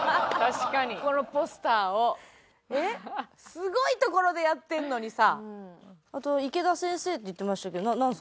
すごい所でやってんのにさ。